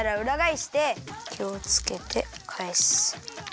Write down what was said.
きをつけてかえす。